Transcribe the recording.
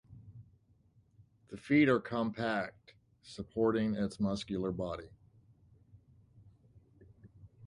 The feet are compact, supporting its muscular body.